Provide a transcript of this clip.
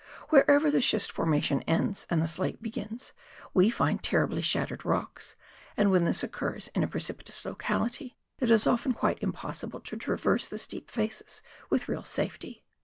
Wherever the schist formation ends and the slate begins, we find terribly shattered rocks, and when this occurs in a precipitous locality, it is often quite impossible to traverse the steep faces with real safety.